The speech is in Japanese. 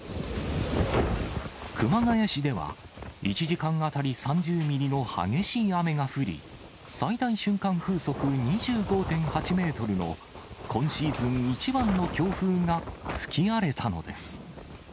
熊谷市では、１時間当たり３０ミリの激しい雨が降り、最大瞬間風速２５．８メートルの今シーズン一番の強風が吹き荒れたのです。